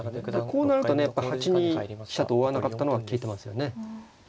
こうなるとねやっぱ８二飛車と追わなかったのが利いてますよね。